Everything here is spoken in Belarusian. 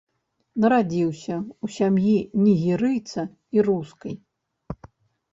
Нарадзіўся ў сям'і нігерыйца і рускай.